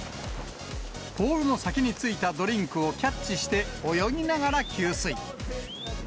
ポールの先についたドリンクをキャッチして、泳ぎながら給水。